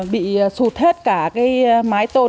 bị sụt hết cả mái tôn